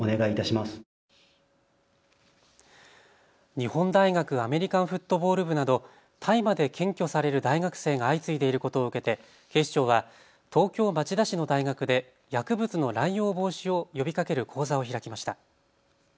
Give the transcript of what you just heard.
日本大学アメリカンフットボール部など大麻で検挙される大学生が相次いでいることを受けて警視庁は東京町田市の大学で薬物の乱用防止を呼びかける講座を開きました。